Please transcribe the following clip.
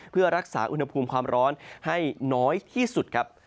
เพื่อรักษาอุณหภูมิความร้อนให้น้อยที่สุดครับ